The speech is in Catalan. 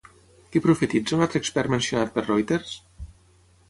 Què profetitza un altre expert mencionat per Reuters?